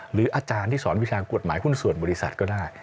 หรืออาจารย์ที่สอนวิชากฎหมายหุ้นส่วนบริษัทก็ได้